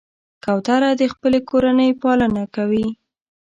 کوتره د خپلې کورنۍ پالنه کوي.